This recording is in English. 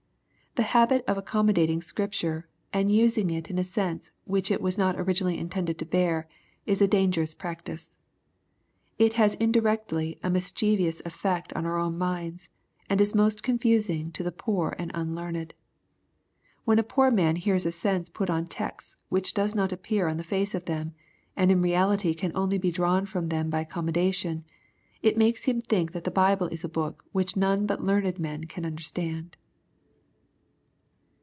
The habit of accommodating Scripture, and using it in a sense which it was not originally intended to bear, is a dangerous practice. It has indirectly a miscliievous effect on our own minds, and is most confusing to the poor and unlearned. When a poor man hears a sense put on texts which does not appear on the face of them, and in reality can only be drawn from them by accommodation, it makes him think that the Bible is a book which none but learned people can understand.